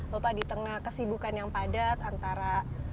bapak di tengah kesibukan yang padat antara